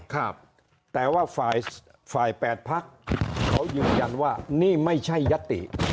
แต่ว่าฝ่าย๘พักเขายืนยันว่านี่ไม่ใช่ยศติ